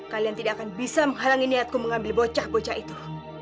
kalian tidak akan bisa menghalangi niatku mengambil bocah bocah itu